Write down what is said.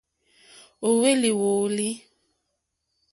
Ó hwélì wòòlì.